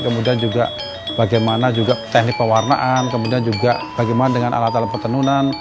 kemudian juga bagaimana juga teknik pewarnaan kemudian juga bagaimana dengan alat alat pertenunan